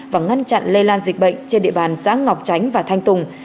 và ngăn chặn lây lan dịch bệnh trên địa bàn xã ngọc tránh và thanh tùng